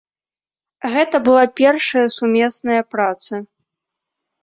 Гэта была першая сумесная праца.